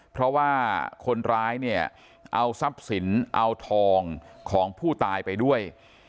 เพราะว่าคนร้ายเนี่ยเอาทรัพย์สินเอาทองของผู้ตายไปด้วย